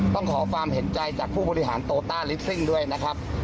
ต้องขอความเห็นใจจากผู้บริหารโตต้าลิสซิ่งด้วยนะครับ